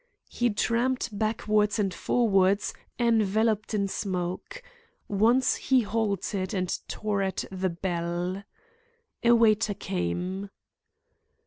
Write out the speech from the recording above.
He tramped backwards and forwards, enveloped in smoke. Once he halted and tore at the bell. A waiter came.